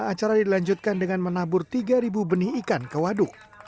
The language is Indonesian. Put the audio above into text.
acara dilanjutkan dengan menabur tiga benih ikan ke waduk